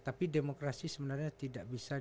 tapi demokrasi sebenarnya tidak bisa